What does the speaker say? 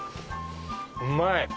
うまい！